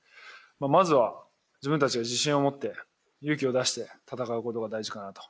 まずは自分たちが自信を持って勇気を出して戦うことが大事かなと。